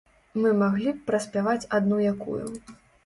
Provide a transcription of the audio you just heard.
Мы маглі б праспяваць адну якую.